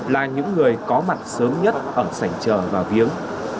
là những người có mặt sớm nhất ở sảnh trờ vào viếng